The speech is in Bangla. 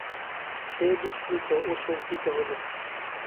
সে বিস্মিত ও শঙ্কিত হল।